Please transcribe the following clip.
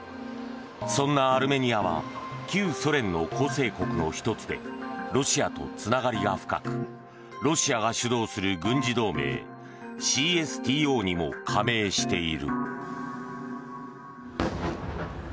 そんなアルメニアは旧ソ連の構成国の１つでロシアとつながりが深くロシアが主導する軍事同盟ＣＳＴＯにも加盟している。